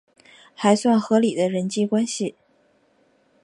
还算合理的人际关系